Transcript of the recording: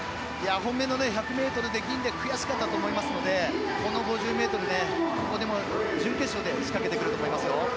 本命の１００ｍで銀で悔しかったと思いますのでこの５０ｍ、ここでも準決勝で仕掛けてくると思いますよ。